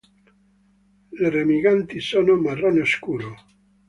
Le remiganti sono marrone scuro.